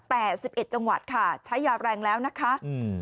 แต่๑๑จังหวัดค่ะใช้ยาแรงแล้วนะคะอืม